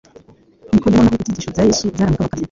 Nikodemu na we ibyigisho bya Yesu byaramukabakabye.